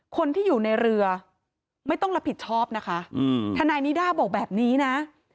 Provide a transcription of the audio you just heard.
คนที่อยู่ในเรือไม่ต้องรับผิดชอบนะคะทนายนิด้าบอกแบบนี้นะ